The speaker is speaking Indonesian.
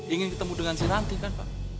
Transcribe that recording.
ingin ketemu dengan si ranti kan pak